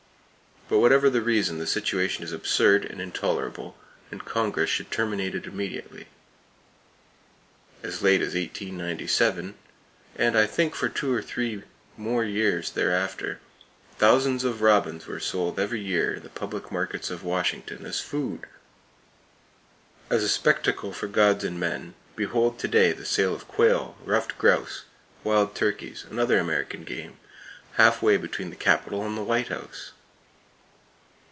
But, whatever the reason the situation is absurd and intolerable, and Congress should terminate it immediately. As late as 1897, and I think for two or three years thereafter, thousands of robins were sold every year in the public markets of Washington as food! As a spectacle for gods and men, behold to day the sale of quail, ruffed grouse, wild turkeys and other American game, half way between the Capitol and the White House!